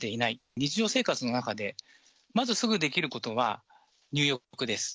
日常生活の中でまずすぐできることは入浴です。